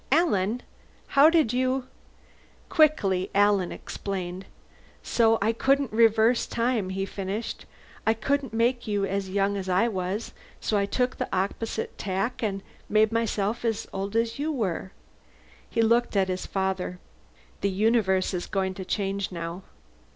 "Alan? How did you " Quickly Alan explained. "So I couldn't reverse time," he finished. "I couldn't make you as young as I was so I took the opposite tack and made myself as old as you were." He looked at his father. "The universe is going to change, now.